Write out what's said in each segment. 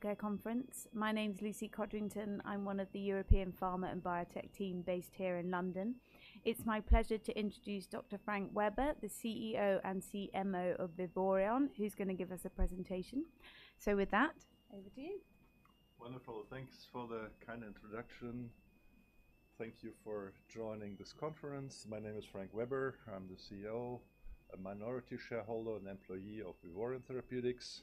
Healthcare Conference. My name is Lucy Codrington. I'm one of the European Pharma and Biotech team based here in London. It's my pleasure to introduce Dr. Frank Weber, the CEO and CMO of Vivoryon, who's going to give us a presentation. With that, over to you. Wonderful. Thanks for the kind introduction. Thank you for joining this conference. My name is Frank Weber. I'm the CEO, a minority shareholder, and employee of Vivoryon Therapeutics,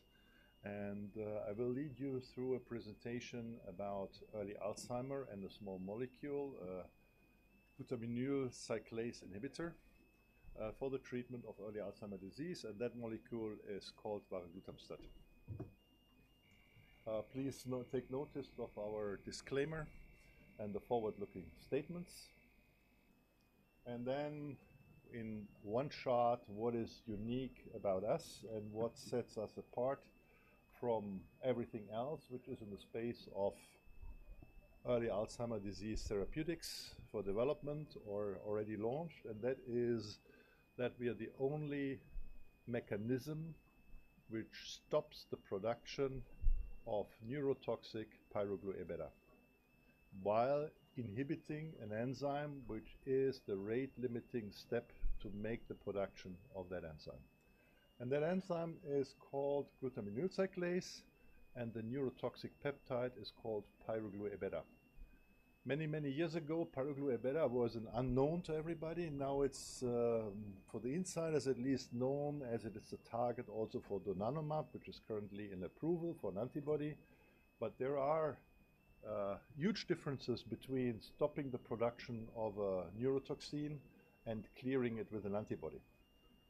and I will lead you through a presentation about early Alzheimer's and the small molecule glutaminyl cyclase inhibitor for the treatment of early Alzheimer's disease, and that molecule is called varoglutamstat. Please note, take notice of our disclaimer and the forward-looking statements. And then in one shot, what is unique about us and what sets us apart from everything else, which is in the space of early Alzheimer's disease therapeutics for development or already launched, and that is that we are the only mechanism which stops the production of neurotoxic pGlu-Aβ, while inhibiting an enzyme, which is the rate-limiting step to make the production of that enzyme. That enzyme is called glutaminyl cyclase, and the neurotoxic peptide is called pGlu-Aβ. Many, many years ago, pGlu-Aβ was an unknown to everybody. Now, it's, for the insiders at least, known as it is a target also for donanemab, which is currently in approval for an antibody. But there are, huge differences between stopping the production of a neurotoxin and clearing it with an antibody.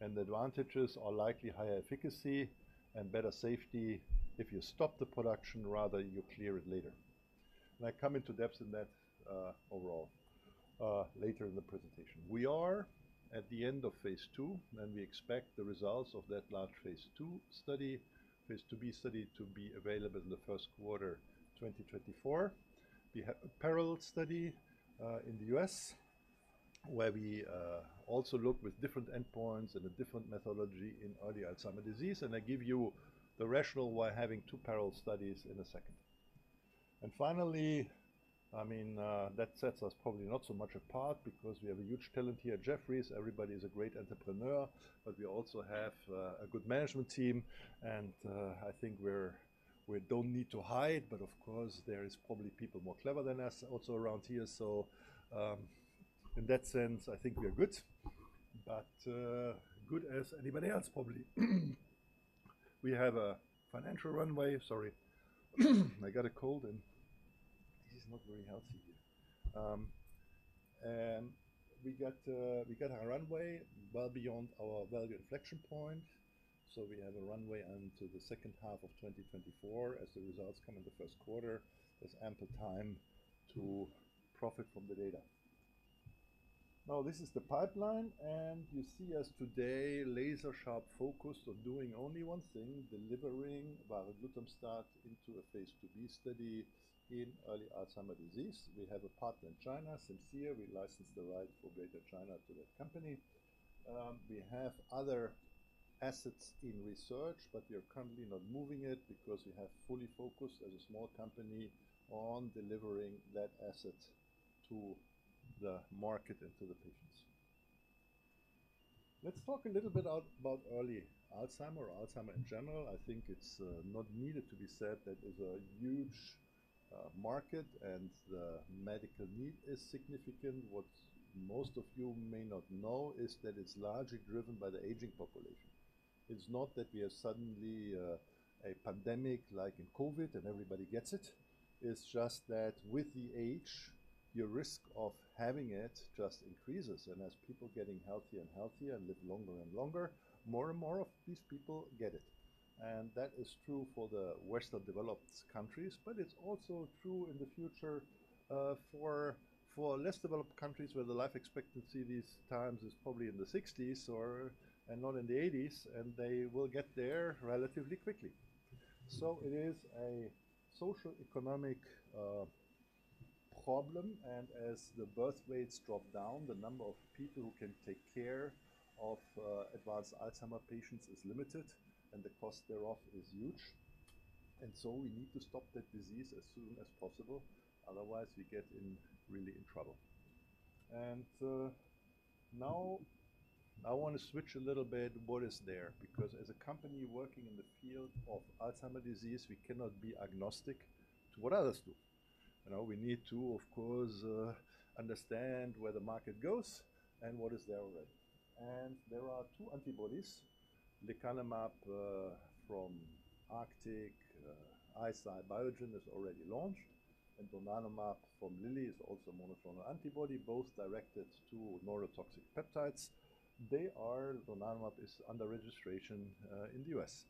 And the advantages are likely higher efficacy and better safety if you stop the production, rather, you clear it later. And I come into depth in that, overall, later in the presentation. We are at the end of phase II, and we expect the results of that large phase II study, phase II-B study, to be available in the Q1, 2024. We have a parallel study in the U.S., where we also look with different endpoints and a different methodology in early Alzheimer disease, and I give you the rationale why having two parallel studies in a second. And finally, I mean, that sets us probably not so much apart because we have a huge talent here at Jefferies. Everybody is a great entrepreneur, but we also have a good management team, and I think we don't need to hide, but of course, there is probably people more clever than us also around here. So, in that sense, I think we are good, but good as anybody else, probably. We have a financial runway. Sorry, I got a cold, and it is not very healthy here. And we got our runway well beyond our value inflection point, so we have a runway until the second half of 2024, as the results come in the Q1. There's ample time to profit from the data. Now, this is the pipeline, and you see us today laser sharp focused on doing only one thing, delivering varoglutamstat into a phase II-B study in early Alzheimer's disease. We have a partner in China, Simcere. We licensed the right for Greater China to that company. We have other assets in research, but we are currently not moving it because we have fully focused as a small company on delivering that asset to the market and to the patients. Let's talk a little bit about early Alzheimer's or Alzheimer's in general. I think it's not needed to be said that it's a huge market and the medical need is significant. What most of you may not know is that it's largely driven by the aging population. It's not that we are suddenly a pandemic like in COVID, and everybody gets it. It's just that with the age, your risk of having it just increases, and as people getting healthier and healthier and live longer and longer, more and more of these people get it. And that is true for the Western developed countries, but it's also true in the future for less developed countries, where the life expectancy these times is probably in the sixties or and not in the eighties, and they will get there relatively quickly. So it is a social, economic problem, and as the birth rates drop down, the number of people who can take care of advanced Alzheimer's patients is limited, and the cost thereof is huge. And so we need to stop that disease as soon as possible, otherwise, we get in really in trouble. And now, I want to switch a little bit what is there, because as a company working in the field of Alzheimer's disease, we cannot be agnostic to what others do. You know, we need to, of course, understand where the market goes and what is there already. And there are two antibodies: lecanemab from Eisai and Biogen is already launched, and donanemab from Lilly is also monoclonal antibody, both directed to neurotoxic peptides. They are... Donanemab is under registration in the U.S.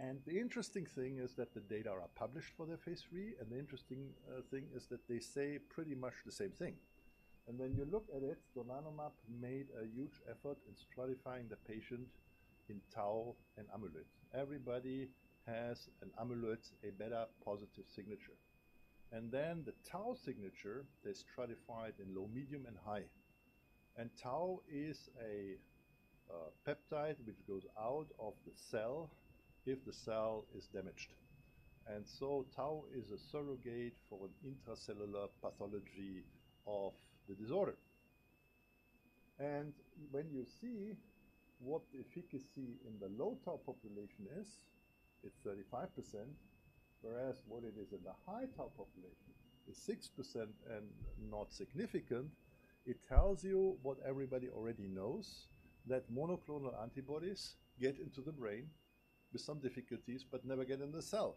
And the interesting thing is that the data are published for their phase III, and the interesting thing is that they say pretty much the same thing. And when you look at it, donanemab made a huge effort in stratifying the patient in tau and amyloid. Everybody has an amyloid-beta positive signature. And then the tau signature, they stratified in low, medium, and high, and tau is a peptide which goes out of the cell if the cell is damaged. And so tau is a surrogate for an intracellular pathology of the disorder. And when you see what the efficacy in the low tau population is, it's 35%, whereas what it is in the high tau population is 6% and not significant. It tells you what everybody already knows, that monoclonal antibodies get into the brain with some difficulties, but never get in the cell.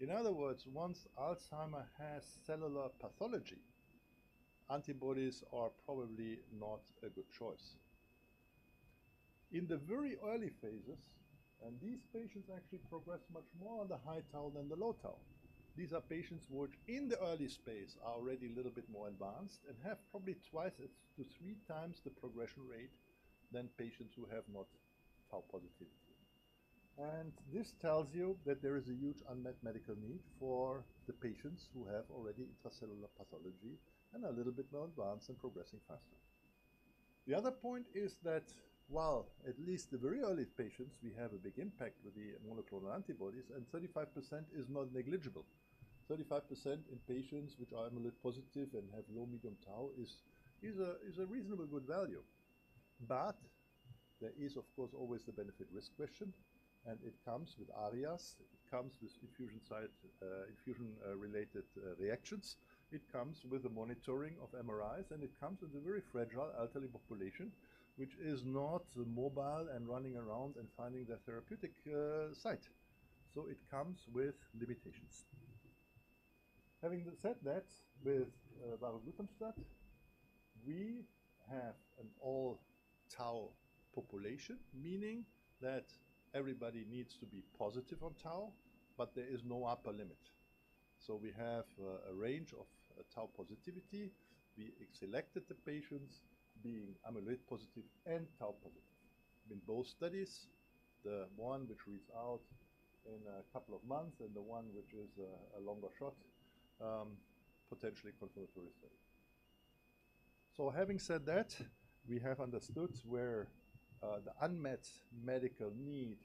In other words, once Alzheimer's has cellular pathology, antibodies are probably not a good choice. In the very early phases, these patients actually progress much more on the high tau than the low tau. These are patients which, in the early space, are already a little bit more advanced and have probably twice to 3x the progression rate than patients who have no tau positivity. This tells you that there is a huge unmet medical need for the patients who have already intracellular pathology and are a little bit more advanced and progressing faster. The other point is that while at least the very earliest patients, we have a big impact with the monoclonal antibodies, and 35% is not negligible. 35% in patients which are amyloid positive and have low, medium tau is a reasonably good value. But there is, of course, always the benefit-risk question, and it comes with ARIAs, it comes with infusion-site infusion related reactions. It comes with the monitoring of MRIs, and it comes with a very fragile elderly population, which is not mobile and running around and finding their therapeutic site. So it comes with limitations. Having said that, with varoglutamstat, we have an all-tau population, meaning that everybody needs to be positive on tau, but there is no upper limit. So we have a range of tau positivity. We selected the patients being amyloid positive and tau positive. In both studies, the one which reads out in a couple of months and the one which is, a longer shot, potentially confirmatory study. So having said that, we have understood where, the unmet medical need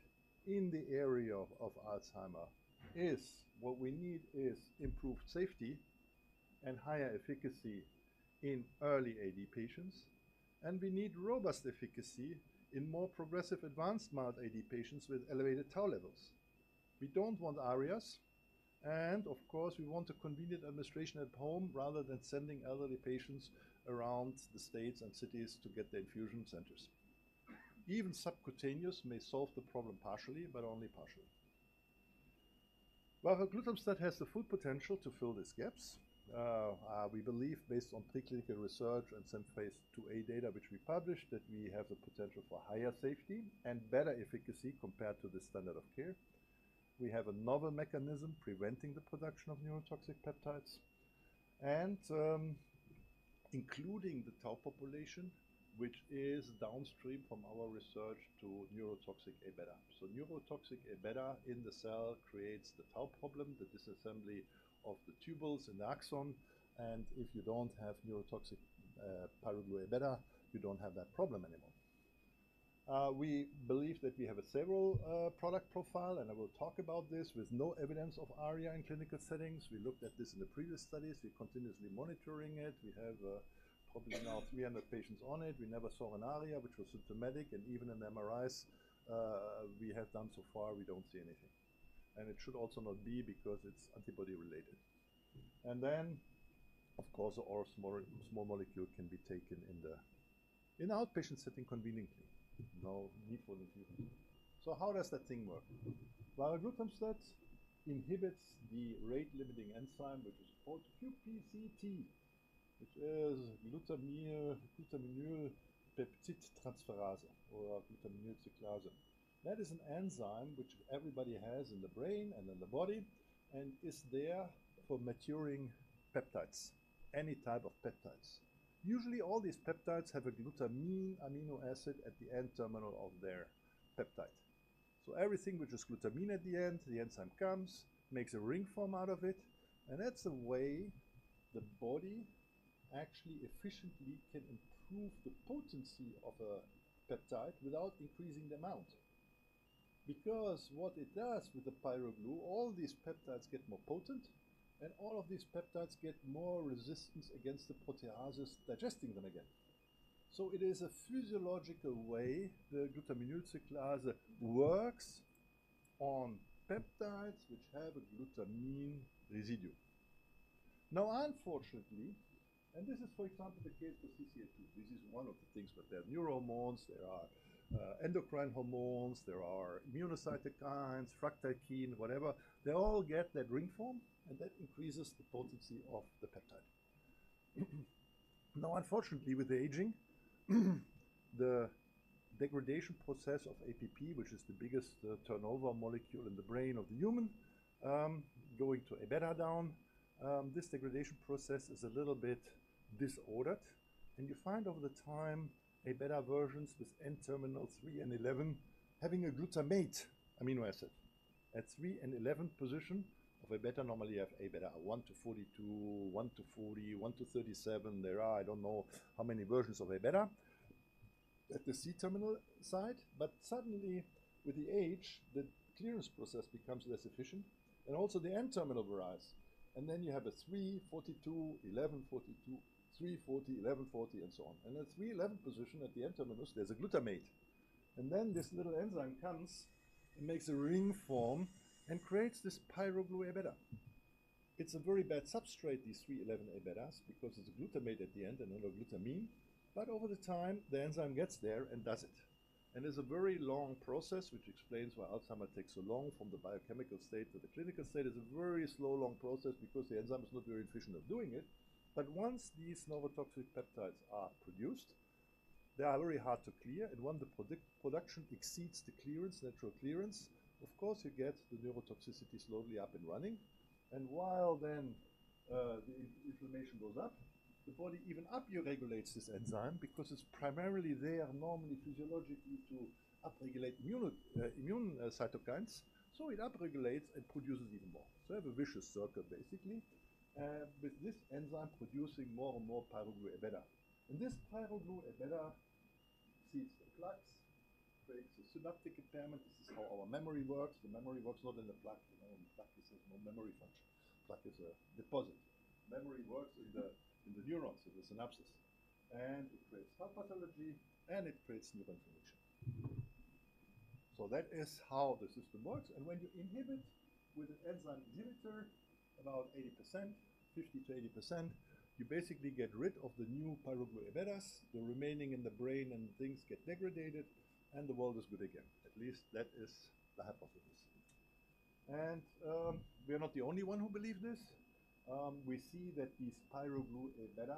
in the area of, of Alzheimer's. What we need is improved safety and higher efficacy in early AD patients, and we need robust efficacy in more progressive, advanced mild AD patients with elevated tau levels. We don't want ARIAs, and of course, we want a convenient administration at home rather than sending elderly patients around the states and cities to get their infusion centers. Even subcutaneous may solve the problem partially, but only partially. Varoglutamstat has the full potential to fill these gaps. We believe, based on preclinical research and some phase II-A data which we published, that we have the potential for higher safety and better efficacy compared to the standard of care. We have a novel mechanism preventing the production of neurotoxic peptides and, including the tau population, which is downstream from our research to neurotoxic Aβ. So neurotoxic Aβ in the cell creates the tau problem, the disassembly of the tubules in the axon, and if you don't have neurotoxic pGlu-Aβ, you don't have that problem anymore. We believe that we have a favorable product profile, and I will talk about this with no evidence of ARIA in clinical settings. We looked at this in the previous studies. We're continuously monitoring it. We have probably now 300 patients on it. We never saw an ARIA which was symptomatic, and even in MRIs, we have done so far, we don't see anything, and it should also not be because it's antibody-related. And then, of course, our small, small molecule can be taken in the outpatient setting conveniently. No need for infusion. So how does that thing work? Varoglutamstat inhibits the rate-limiting enzyme, which is called QPCT, which is glutamine, glutamine peptide transferase or glutamine cyclase. That is an enzyme which everybody has in the brain and in the body, and is there for maturing peptides, any type of peptides. Usually, all these peptides have a glutamine amino acid at the N-terminal of their peptide. So everything which is glutamine at the end, the enzyme comes, makes a ring form out of it, and that's the way the body actually efficiently can improve the potency of a peptide without increasing the amount. Because what it does with the pyroGlu, all these peptides get more potent, and all of these peptides get more resistance against the proteases digesting them again. So it is a physiological way the glutaminyl cyclase works on peptides which have a glutamine residue. Now, unfortunately, and this is, for example, the case for CCL2. This is one of the things, but there are neurohormones, there are endocrine hormones, there are immunocytokines, fractalkine, whatever. They all get that ring form, and that increases the potency of the peptide. Now, unfortunately, with aging, the degradation process of APP, which is the biggest turnover molecule in the brain of the human, going to A-beta down, this degradation process is a little bit disordered. And you find over the time, A-beta versions with N-terminal 3 and 11 having a glutamate amino acid at 3 and 11 position of A-beta. Normally you have A-beta 1-42, 1-40, 1-37. There are, I don't know how many versions of A-beta at the C-terminal side, but suddenly with the age, the clearance process becomes less efficient, and also the N-terminal varies. And then you have a 3-42, 11-42, 3-40, 11-40, and so on. And at 3-11 position, at the N-terminus, there's a glutamate, and then this little enzyme comes and makes a ring form and creates this pGlu-Aβ. It's a very bad substrate, these 3-11 Aβs, because it's a glutamate at the end and not a glutamine. But over the time, the enzyme gets there and does it. And it's a very long process, which explains why Alzheimer's takes so long from the biochemical state to the clinical state. It's a very slow, long process because the enzyme is not very efficient at doing it. But once these neurotoxic peptides are produced, they are very hard to clear, and when the production exceeds the clearance, natural clearance, of course, you get the neurotoxicity slowly up and running. And while then, the inflammation goes up, the body even upregulates this enzyme because it's primarily there normally, physiologically, to upregulate immune cytokines. So it upregulates and produces even more. So you have a vicious circle, basically, with this enzyme producing more and more pGlu-Aβ. And this pGlu-Aβ sees the plaques, creates a synaptic impairment. This is how our memory works. The memory works not in the plaque. You know, in the plaque, there's no memory function. Plaque is a deposit. Memory works in the, in the neurons, in the synapses, and it creates tau pathology, and it creates neuroinflammation. So that is how the system works, and when you inhibit with an enzyme inhibitor, about 80%, 50%-80%, you basically get rid of the new pGlu-Aβs. The remaining in the brain and things get degraded, and the world is good again. At least that is the hypothesis. And we are not the only one who believe this. We see that this pGlu-Aβ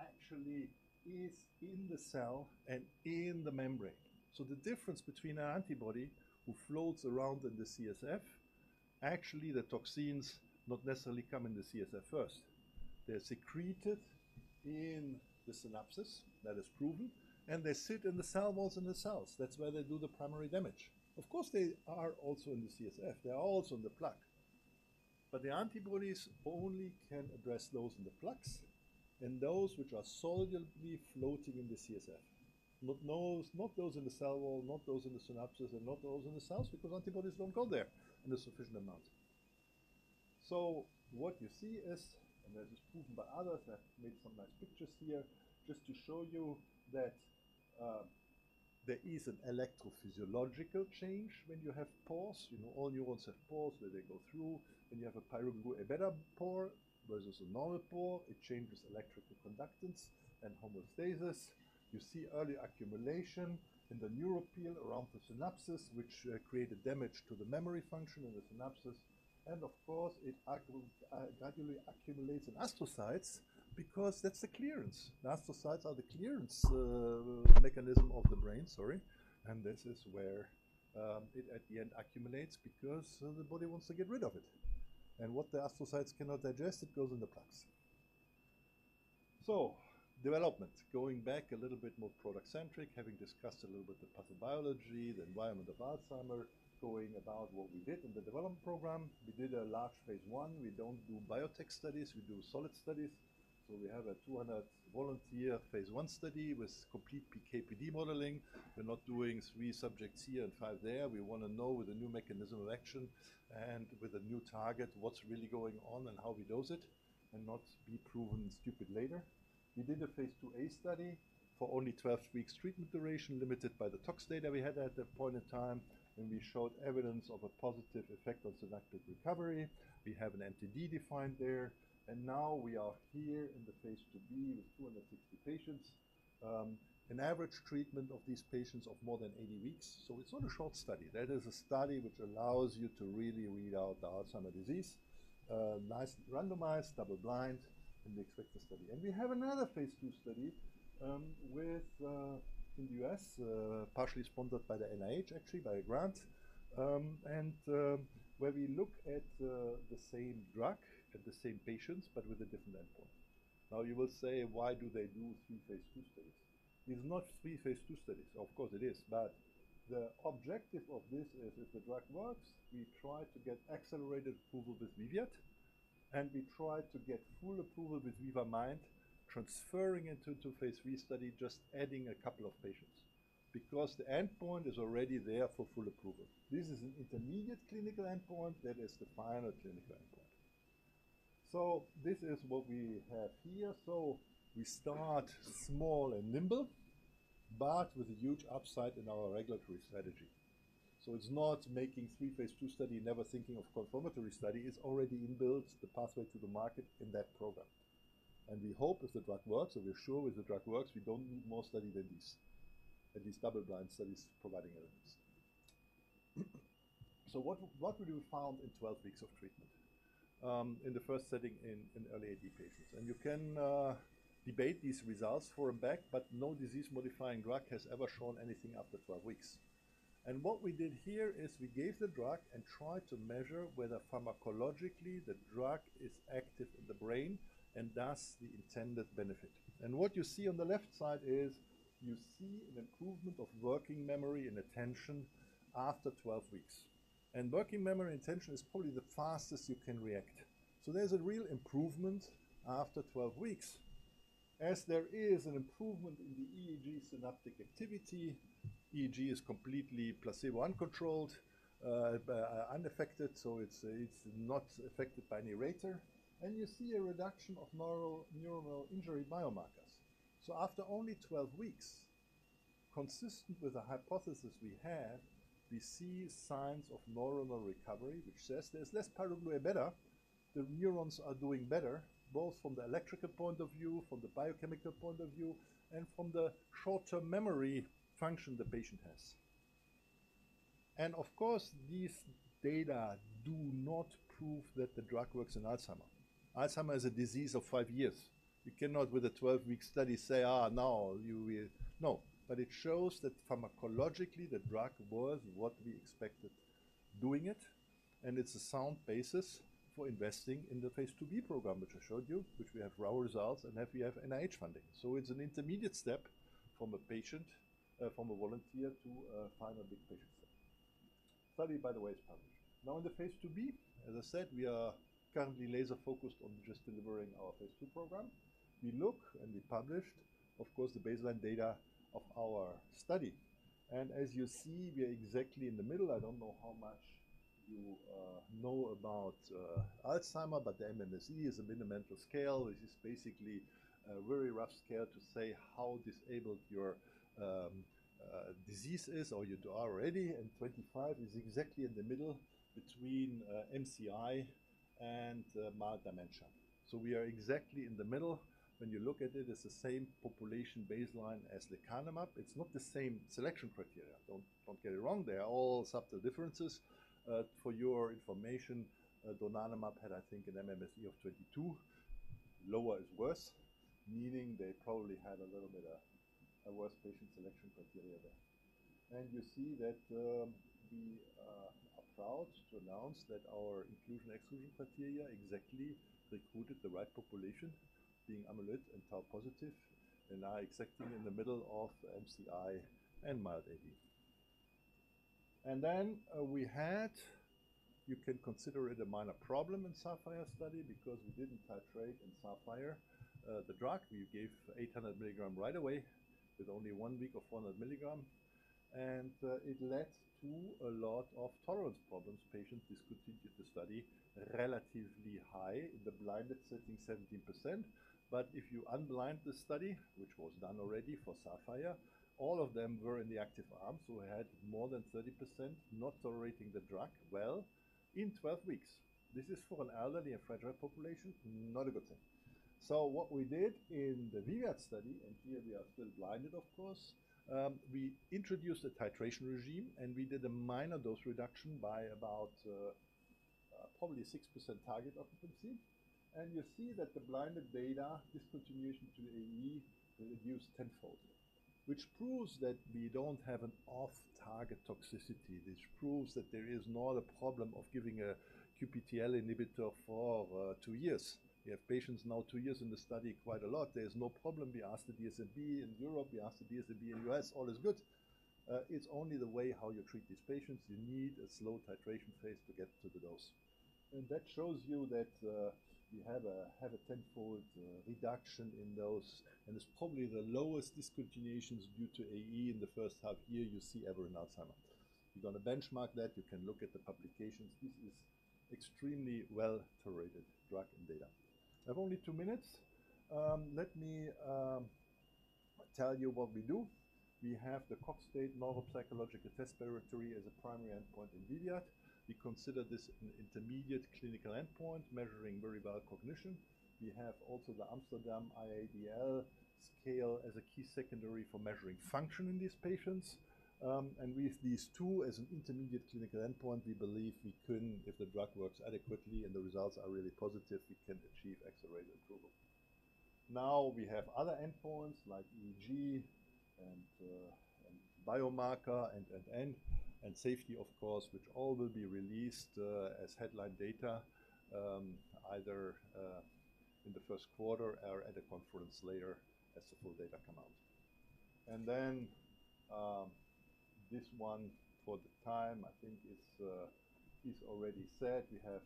actually is in the cell and in the membrane. So the difference between an antibody who floats around in the CSF, actually, the toxins not necessarily come in the CSF first. They're secreted in the synapses. That is proven, and they sit in the cell walls in the cells. That's where they do the primary damage. Of course, they are also in the CSF. They are also in the plaque. But the antibodies only can address those in the plaques and those which are solidly floating in the CSF. Not those, not those in the cell wall, not those in the synapses, and not those in the cells, because antibodies don't go there in a sufficient amount. So what you see is, and that is proven by others, I made some nice pictures here just to show you that, there is an electrophysiological change when you have pores. You know, all neurons have pores where they go through, and you have a pGlu-Aβ pore versus a normal pore. It changes electrical conductance and homeostasis. You see early accumulation in the neuropil around the synapses, which create a damage to the memory function in the synapses. And of course, it gradually accumulates in astrocytes because that's the clearance. Astrocytes are the clearance mechanism of the brain. Sorry. And this is where, it, at the end, accumulates because the body wants to get rid of it. And what the astrocytes cannot digest, it goes in the plaques. So development. Going back a little bit more product-centric, having discussed a little bit the pathobiology, the environment of Alzheimer's, going about what we did in the development program. We did a large phase I. We don't do biotech studies; we do solid studies. So we have a 200-volunteer phase I study with complete PK/PD modeling. We're not doing 3 subjects here and 5 there. We wanna know with a new mechanism of action and with a new target, what's really going on and how we dose it, and not be proven stupid later. We did a phase II-A study for only 12 weeks treatment duration, limited by the tox data we had at that point in time, and we showed evidence of a positive effect on synaptic recovery. We have an MTD defined there, and now we are here in the phase II-B with 260 patients. An average treatment of these patients of more than 80 weeks. So it's not a short study. That is a study which allows you to really read out the Alzheimer's disease. Nice, randomized, double-blind, and expected study. And we have another phase II study, with, in the U.S., partially sponsored by the NIH, actually, by a grant. And, where we look at, the same drug at the same patients, but with a different endpoint. Now, you will say: Why do they do three phase II studies? It's not 3 phase II studies. Of course, it is, but the objective of this is if the drug works, we try to get accelerated approval with VIVIAD, and we try to get full approval with VIVA-MIND, transferring into a phase III study, just adding a couple of patients, because the endpoint is already there for full approval. This is an intermediate clinical endpoint. That is the final clinical endpoint. So this is what we have here. So we start small and nimble, but with a huge upside in our regulatory strategy. So it's not making 3 phase II studies, never thinking of confirmatory study. It's already inbuilt the pathway to the market in that program. And we hope if the drug works, or we're sure if the drug works, we don't need more study than this, at least double-blind studies providing evidence. So what would you find in 12 weeks of treatment in the first setting in early AD patients? You can debate these results for a fact, but no disease-modifying drug has ever shown anything after 12 weeks. What we did here is we gave the drug and tried to measure whether pharmacologically the drug is active in the brain and thus the intended benefit. What you see on the left side is you see an improvement of working memory and attention after 12 weeks, and working memory and attention is probably the fastest you can react. So there's a real improvement after 12 weeks, as there is an improvement in the EEG synaptic activity. EEG is completely placebo-uncontrolled, unaffected, so it's not affected by any rater. You see a reduction of neural, neuronal injury biomarkers. So after only 12 weeks, consistent with the hypothesis we had, we see signs of neuronal recovery, which says there's less pGlu-Aβ. The neurons are doing better, both from the electrical point of view, from the biochemical point of view, and from the short-term memory function the patient has. And of course, these data do not prove that the drug works in Alzheimer. Alzheimer is a disease of 5 years. You cannot, with a 12-week study, say, "ah, now you will..." No. But it shows that pharmacologically, the drug was what we expected doing it, and it's a sound basis for investing in the phase II-B program, which I showed you, which we have raw results, and then we have NIH funding. So it's an intermediate step from a patient, from a volunteer to a final big patient study. Study, by the way, is published. Now, in the phase II-B, as I said, we are currently laser-focused on just delivering our phase II program. We look, and we published, of course, the baseline data of our study. As you see, we are exactly in the middle. I don't know how much you know about Alzheimer's, but the MMSE is a Mini-Mental scale, which is basically a very rough scale to say how disabled your disease is or you are already, and 25 is exactly in the middle between MCI and mild dementia. We are exactly in the middle. When you look at it, it's the same population baseline as lecanemab. It's not the same selection criteria. Don't, don't get me wrong, they are all subtle differences. For your information, donanemab had, I think, an MMSE of 22. Lower is worse, meaning they probably had a little bit of a worse patient selection criteria there. And you see that, we are proud to announce that our inclusion/exclusion criteria exactly recruited the right population, being amyloid and tau positive, and are exactly in the middle of MCI and mild AD. And then, we had... You can consider it a minor problem in SAPPHIRE study because we didn't titrate in SAPPHIRE. The drug, we gave 800 milligram right away, with only one week of 400 milligram, and it led to a lot of tolerance problems. Patients discontinued the study, relatively high, in the blinded setting, 17%. But if you unblind the study, which was done already for SAPPHIRE, all of them were in the active arm, so we had more than 30% not tolerating the drug well in 12 weeks. This is for an elderly and fragile population, not a good thing. So what we did in the VIVIAD study, and here we are still blinded, of course, we introduced a titration regime, and we did a minor dose reduction by about, probably 6% target occupancy. And you see that the blinded data discontinuation to AE reduced tenfold, which proves that we don't have an off-target toxicity. This proves that there is not a problem of giving a QPCTL inhibitor for, two years. We have patients now two years in the study, quite a lot. There is no problem. We asked the DSMB in Europe, we asked the DSMB in U.S., all is good. It's only the way how you treat these patients. You need a slow titration phase to get to the dose. That shows you that we have a tenfold reduction in those, and it's probably the lowest discontinuations due to AE in the first half year you see ever in Alzheimer's. You're going to benchmark that. You can look at the publications. This is an extremely well-tolerated drug and data. I have only 2 minutes. Let me tell you what we do. We have the Cogstate Neuropsychological Test Battery as a primary endpoint in VIVIAD. We consider this an intermediate clinical endpoint, measuring very well cognition. We have also the Amsterdam IADL scale as a key secondary for measuring function in these patients. And with these two as an intermediate clinical endpoint, we believe we can, if the drug works adequately and the results are really positive, we can achieve accelerated approval. Now, we have other endpoints like EEG and biomarker and safety, of course, which all will be released as headline data, either in the Q1 or at a conference later as the full data come out. And then, this one for the time, I think is already said. We have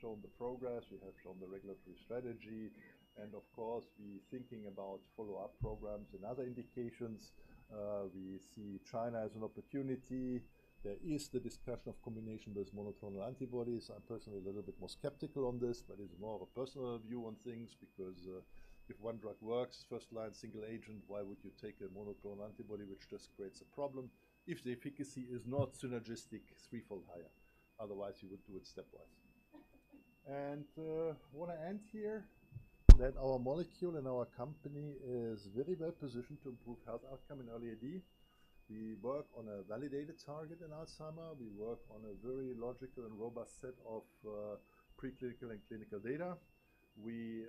shown the progress, we have shown the regulatory strategy, and of course, we thinking about follow-up programs and other indications. We see China as an opportunity. There is the discussion of combination with monoclonal antibodies. I'm personally a little bit more skeptical on this, but it's more of a personal view on things because, if one drug works, first-line single agent, why would you take a monoclonal antibody, which just creates a problem if the efficacy is not synergistic, threefold higher? Otherwise, you would do it stepwise. And, I want to end here, that our molecule and our company is very well positioned to improve health outcome in early AD. We work on a validated target in Alzheimer's. We work on a very logical and robust set of preclinical and clinical data. We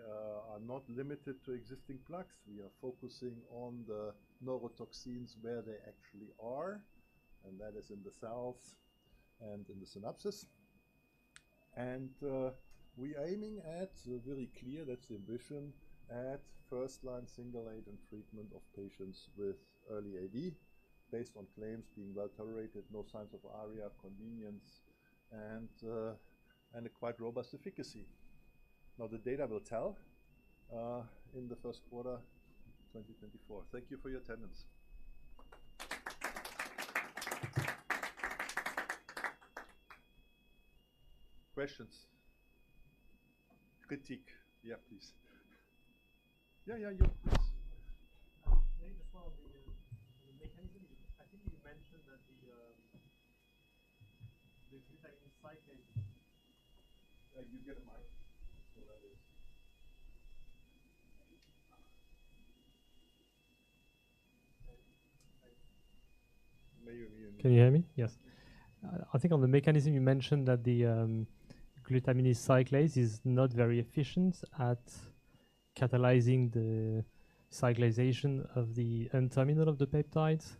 are not limited to existing plaques. We are focusing on the neurotoxins where they actually are, and that is in the cells and in the synapses. And, we are aiming at very clear, that's the ambition, at first-line single-agent treatment of patients with early AD based on claims being well tolerated, no signs of ARIA, convenience, and a quite robust efficacy. Now, the data will tell in the Q1 2024. Thank you for your attendance. Questions? Critique. Yeah, please. Yeah, yeah, you. Please. Maybe just one on the mechanism. I think you mentioned that the, the glutaminyl cyclase- You get a mic, so that is... Maybe you- Can you hear me? Yes. I think on the mechanism, you mentioned that the glutaminyl cyclase is not very efficient at catalyzing the cyclization of the N-terminal of the peptides.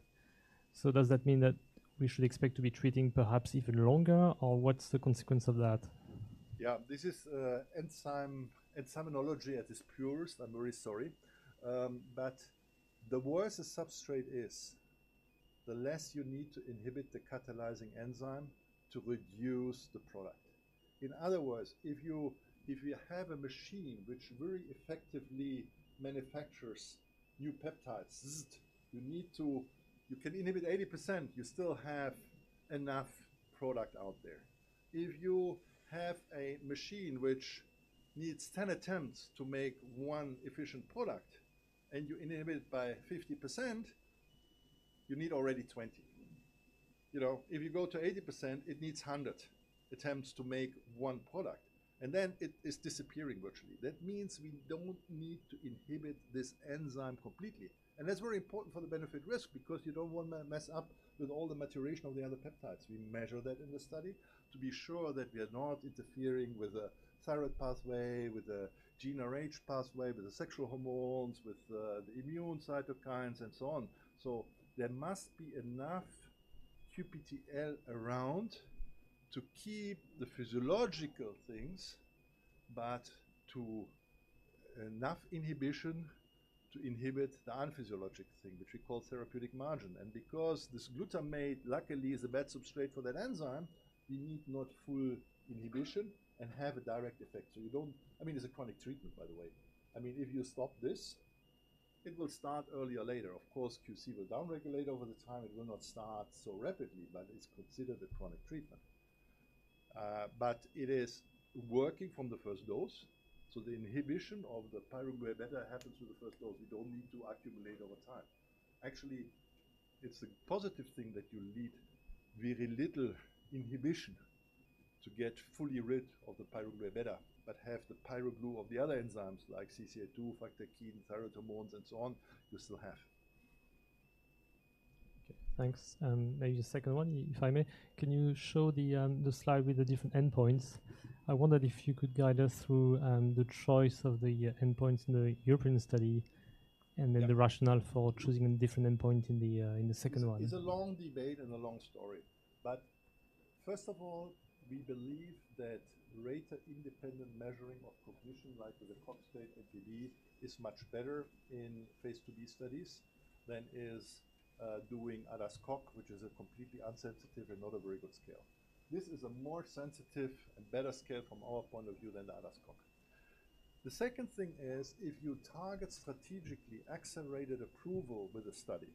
So does that mean that we should expect to be treating perhaps even longer, or what's the consequence of that? Yeah, this is enzyme, enzymology at its purest. I'm very sorry. But the worse the substrate is, the less you need to inhibit the catalyzing enzyme to reduce the product. In other words, if you have a machine which very effectively manufactures new peptides, you need to. You can inhibit 80%, you still have enough product out there. If you have a machine which needs 10 attempts to make one efficient product, and you inhibit by 50%, you need already 20. You know, if you go to 80%, it needs 100 attempts to make one product, and then it is disappearing virtually. That means we don't need to inhibit this enzyme completely. And that's very important for the benefit-risk because you don't want to mess up with all the maturation of the other peptides. We measure that in the study to be sure that we are not interfering with the thyroid pathway, with the GnRH pathway, with the sexual hormones, with the immune cytokines, and so on. So there must be enough QPCTL around to keep the physiological things, but enough inhibition to inhibit the unphysiologic thing, which we call therapeutic margin. And because this glutamate, luckily, is a bad substrate for that enzyme, we need not full inhibition and have a direct effect. So you don't—I mean, it's a chronic treatment, by the way. I mean, if you stop this, it will start earlier or later. Of course, QC will down-regulate over the time. It will not start so rapidly, but it's considered a chronic treatment. But it is working from the first dose, so the inhibition of the pyroglutamate beta happens with the first dose we don't need to accumulate over time. Actually, it's a positive thing that you need very little inhibition to get fully rid of the pyroglutamate, but have the pyroGlu of the other enzymes like CCL2, fractalkine, thyroid hormones, and so on, you still have. Okay, thanks. And maybe the second one, if I may. Can you show the slide with the different endpoints? I wondered if you could guide us through the choice of the endpoints in the European study- Yeah. -and then the rationale for choosing a different endpoint in the second one. It's a long debate and a long story, but first of all, we believe that rater-independent measuring of cognition, like with the Cogstate NTB, is much better in phase II-B studies than is doing ADAS-Cog, which is a completely insensitive and not a very good scale. This is a more sensitive and better scale from our point of view than the ADAS-Cog. The second thing is, if you target strategically accelerated approval with a study,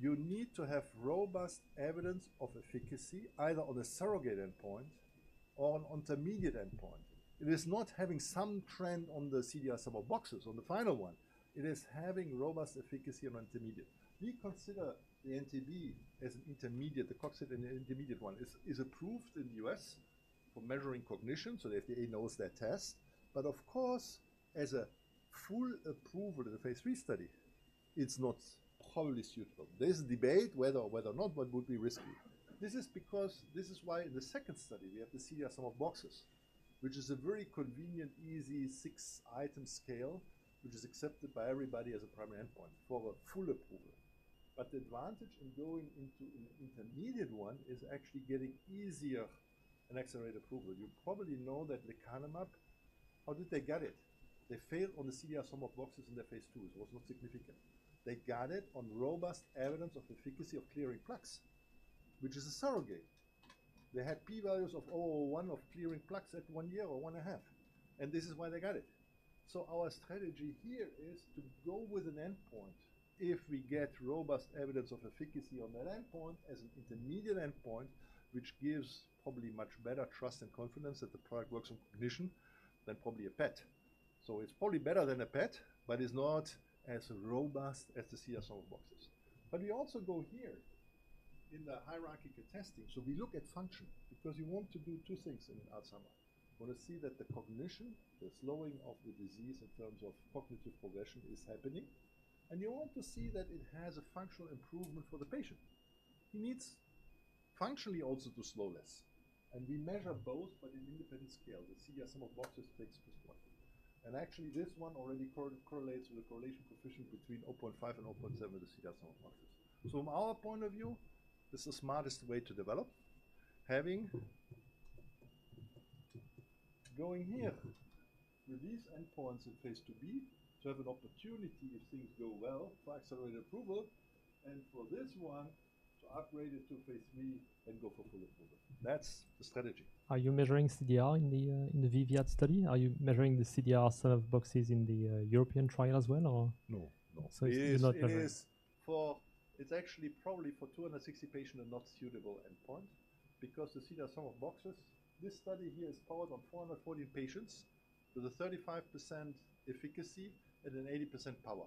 you need to have robust evidence of efficacy, either on a surrogate endpoint or an intermediate endpoint. It is not having some trend on the CDR-SB on the final one; it is having robust efficacy on intermediate. We consider the NTB as an intermediate. The Cogstate and the intermediate one is approved in the US for measuring cognition, so the FDA knows that test. But of course, as a full approval in the phase III study, it's not probably suitable. There's a debate whether or not, but would be risky. This is because. This is why in the second study, we have the CDR sum of boxes, which is a very convenient, easy 6-item scale, which is accepted by everybody as a primary endpoint for a full approval. But the advantage in going into an intermediate one is actually getting easier an accelerated approval. You probably know that lecanemab, how did they get it? They failed on the CDR sum of boxes in their phase II. It was not significant. They got it on robust evidence of efficacy of clearing plaques, which is a surrogate. They had p-values of 0.01 of clearing plaques at 1 year or 1.5, and this is why they got it. So our strategy here is to go with an endpoint if we get robust evidence of efficacy on that endpoint as an intermediate endpoint, which gives probably much better trust and confidence that the product works on cognition than probably a PET. So it's probably better than a PET, but it's not as robust as the CDR sum of boxes. But we also go here in the hierarchical testing. So we look at function because you want to do two things in Alzheimer's. You want to see that the cognition, the slowing of the disease in terms of cognitive progression, is happening, and you want to see that it has a functional improvement for the patient. He needs functionally also to slow this, and we measure both, but in independent scale, the CDR sum of boxes takes this one. Actually, this one already correlates with the correlation coefficient between 0.5 and 0.7, the CDR sum of boxes. So from our point of view, this is the smartest way to develop, going here with these endpoints in phase II-B, to have an opportunity, if things go well, for accelerated approval, and for this one, to upgrade it to phase III and go for full approval. That's the strategy. Are you measuring CDR in the VIVIAD study? Are you measuring the CDR sum of boxes in the European trial as well, or? No, no. It is not relevant. It's actually probably for 260 patients, a not suitable endpoint because the CDR sum of boxes, this study here is powered on 440 patients with a 35% efficacy and an 80% power.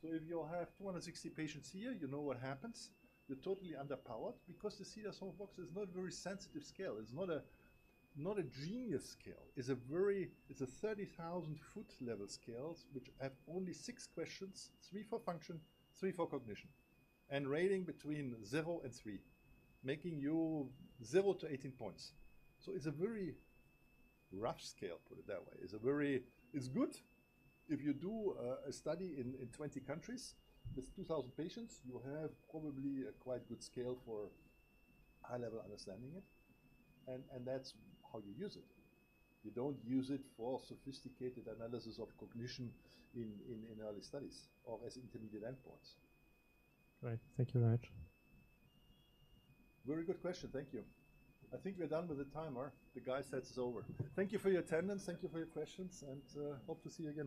So if you have 260 patients here, you know what happens: You're totally underpowered because the CDR sum of boxes is not a very sensitive scale. It's not a genius scale. It's a 30,000-foot level scale, which has only six questions, three for function, three for cognition, and rating between zero and three, making you zero to 18 points. So it's a very rough scale, put it that way. It's a very... It's good if you do a study in 20 countries with 2,000 patients, you have probably a quite good scale for high-level understanding it, and that's how you use it. You don't use it for sophisticated analysis of cognition in early studies or as intermediate endpoints. Great. Thank you very much. Very good question. Thank you. I think we're done with the timer. The guy says it's over. Thank you for your attendance, thank you for your questions, and hope to see you again.